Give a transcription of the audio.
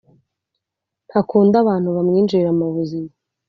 ntakunda abantu bamwinjirira mu buzima